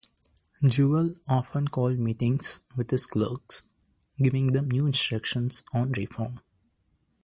Jewell often called meetings with his clerks giving them new instructions on reform.